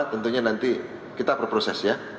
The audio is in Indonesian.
tentunya nanti kita berproses ya